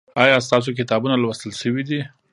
ایا ستاسو کتابونه لوستل شوي دي؟